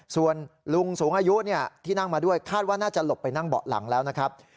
ส่วนลุงสูงอายุที่นั่งมาด้วยคาดว่าน่าจะหลบไปนั่งเบาะหลังแล้วนะครับ